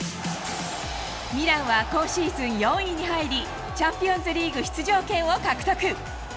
ミランは今シーズン４位に入り、チャンピオンズリーグ出場権を獲得。